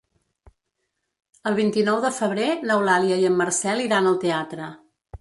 El vint-i-nou de febrer n'Eulàlia i en Marcel iran al teatre.